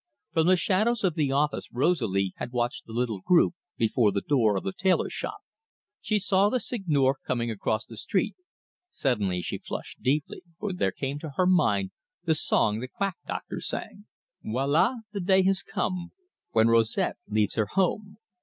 From the shadows of the office Rosalie had watched the little group before the door of the tailor shop. She saw the Seigneur coming across the street. Suddenly she flushed deeply, for there came to her mind the song the quack doctor sang: "Voila, the day has come When Rosette leaves her home!